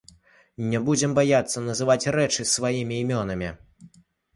Не будзем баяцца называць рэчы сваімі імёнамі.